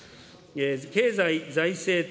経済財政等